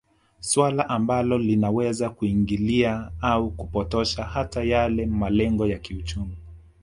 Swala ambalo linaweza kuingilia au kupotosha hata yale malengo ya kiuchumi